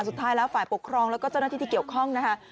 สุดท้ายแล้วฝ่ายปกครองแล้วก็เจ้าหน้าที่ที่เกี่ยวข้องนะคะ